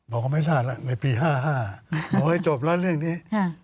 บอกว่าไม่ทราบแล้วในปี๕๕บอกให้จบแล้วเรื่องนี้